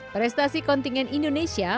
prestasi kontingen indonesia